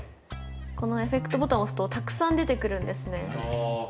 このエフェクトボタンを押すとたくさん出てくるんですね。